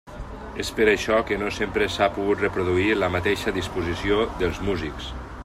És per això que no sempre s'ha pogut reproduir la mateixa disposició dels músics.